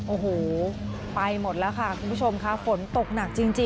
โอ้โหไปหมดแล้วค่ะคุณผู้ชมค่ะฝนตกหนักจริง